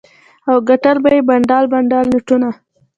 او ګټل به یې بنډل بنډل نوټونه.